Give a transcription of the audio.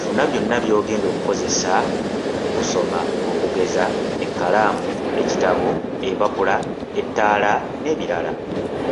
Funa byonna by'ogenda okukozesa mu kusoma okugeza ekkalaamu, ekitabo, empapula ettaala n’ebirala.